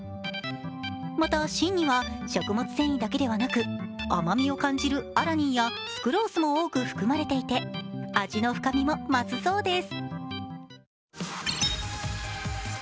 また芯には食物繊維だけではなく甘みを感じるアラニンやスクロースも多く含まれていて、味の深みも増すそうです。